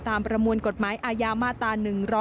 ประมวลกฎหมายอาญามาตรา๑๑๒